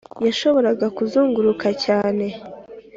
yashoboraga kuzunguruka cyane